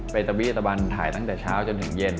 ตะบี้ตะบันถ่ายตั้งแต่เช้าจนถึงเย็น